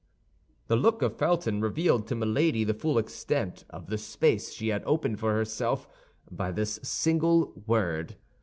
The look of Felton revealed to Milady the full extent of the space she had opened for herself by this single word.